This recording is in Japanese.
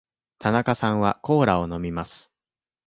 田中さんはコーラを飲みます。